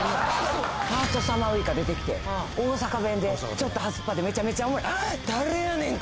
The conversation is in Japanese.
ファーストサマーウイカ出てきて大阪弁でちょっとはすっぱでめちゃめちゃおもろい。